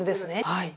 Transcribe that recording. はい。